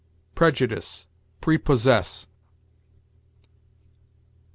PREJUDICE PREPOSSESS.